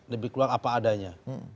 lebih keluar apa adanya